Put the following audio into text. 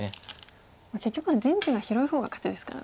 結局は陣地が広い方が勝ちですからね。